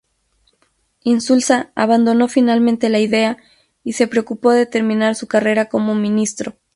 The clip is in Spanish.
Insulza abandonó finalmente la idea y se preocupó de terminar su carrera como ministro.